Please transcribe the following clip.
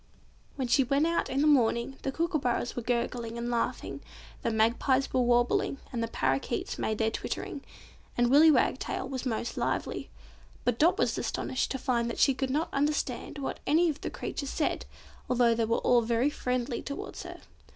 When she went out in the morning, the kookooburras were gurgling and laughing, the magpies were warbling, the parrakeets made their twittering, and Willy Wagtail was most lively; but Dot was astonished to find that she could not understand what any of the creatures said, although they were all very friendly towards her.